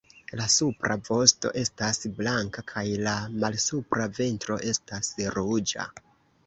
La supra vosto estas blanka kaj la malsupra ventro estas ruĝa.